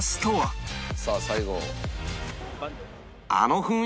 さあ最後。